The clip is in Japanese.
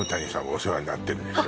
お世話になってるんですよ